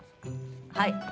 はい。